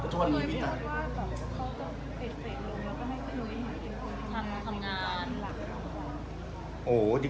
ทำงาน